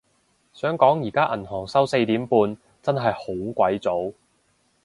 想講而家銀行收四點半，真係好鬼早